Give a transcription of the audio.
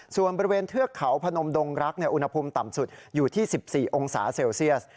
ส่วนบริเวณเทือกเขาพนมดงรักอุณหภูมิต่ำสุดอยู่ที่๑๔องศาเซลเซียส